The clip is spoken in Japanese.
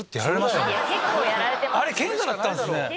あれ検査だったんですね。